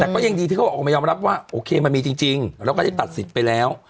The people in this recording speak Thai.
แต่ก็ยังดีที่เขาออกมายอมรับว่าโอเคมันมีจริงแล้วก็ได้ตัดสิทธิ์ไปแล้ว